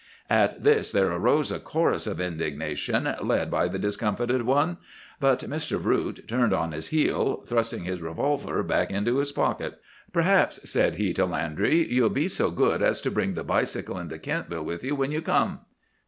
"At this there arose a chorus of indignation led by the discomfited one. But Mr. Vroot turned on his heel, thrusting his revolver back into his pocket. "'Perhaps,' said he to Landry, 'you'll be so good as to bring the bicycle into Kentville with you when you come.